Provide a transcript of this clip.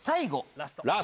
ラスト！